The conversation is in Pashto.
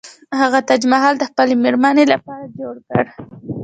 هغه تاج محل د خپلې میرمنې لپاره جوړ کړ.